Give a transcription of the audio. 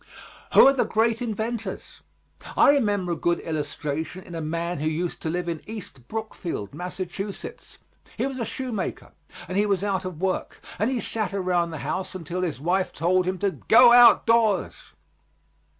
Who are the great inventors? I remember a good illustration in a man who used to live in East Brookfield, Mass. He was a shoemaker, and he was out of work, and he sat around the house until his wife told him to "go out doors."